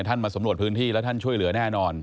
มาสำรวจพื้นที่แล้วท่านช่วยเหลือแน่นอน